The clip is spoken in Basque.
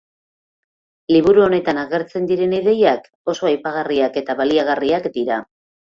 Liburu honetan agertzen diren ideiak oso aipagarriak eta baliagarriak dira.